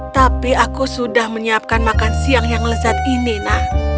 tapi aku sudah menyiapkan makan siang yang lezat ini nak